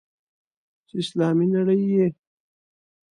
چې اسلامي نړۍ یې.